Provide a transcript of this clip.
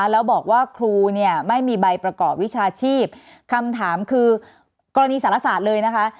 แล้วบอกว่าครูเนี่ยไม่มีใบประกอบวิชาชีพคำถามคือกรณีสารศาสตร์เลยนะคะ